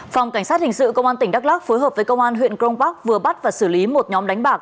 phòng cảnh sát hình sự công an tỉnh đắk lắc phối hợp với công an huyện cron park vừa bắt và xử lý một nhóm đánh bạc